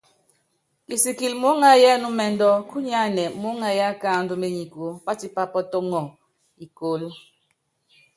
Muúŋayɔ ɛnúmɛndɔ kúnyánɛ akáandɔ ményiku, pátípa pɔtɔŋɔ.